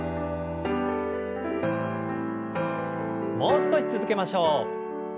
もう少し続けましょう。